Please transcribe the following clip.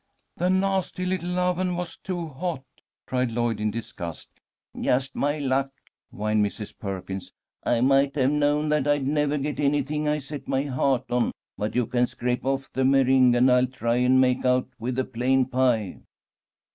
"The nasty little oven was too hot!" cried Lloyd, in disgust. "Just my luck," whined Mrs. Perkins. "I might have known that I'd never get anything I set my heart on. But you can scrape off the meringue, and I'll try and make out with the plain pie."